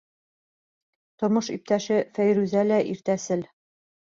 Тормош иптәше Фәйрүзә лә иртәсел.